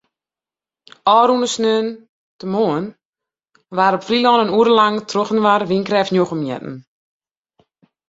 Ofrûne saterdeitemoarn waard op Flylân in oere lang trochinoar wynkrêft njoggen metten.